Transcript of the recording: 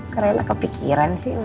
karena kepikiran sih